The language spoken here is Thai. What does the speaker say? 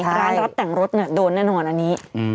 ร้านรับแต่งรถโดนแน่นอนอันนี้